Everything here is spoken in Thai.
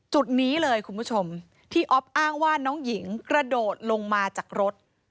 จุดนี้เลยคุณผู้ชมที่อ๊อฟอ้างว่าน้องหญิงกระโดดลงมาจากรถ